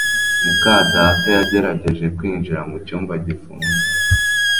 muka data yagerageje kwinjira mu cyumba gifunze